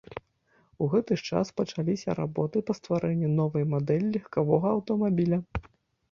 У гэты ж час пачаліся работы па стварэнні новай мадэлі легкавога аўтамабіля.